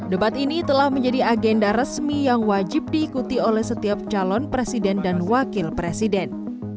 debat ini telah menjadi agenda resmi yang wajib diikuti oleh setiap calon presiden dan wakil presiden